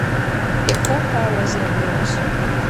Иахуҳәаауазеи абри аус?